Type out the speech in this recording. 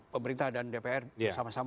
pemerintah dan dpr bersama sama